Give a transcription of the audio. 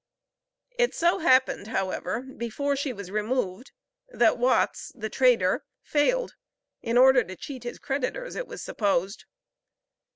It so happened, however, before she was removed that Watts, the trader, failed in order to cheat his creditors it was supposed.